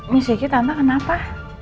nih siki tante kenapa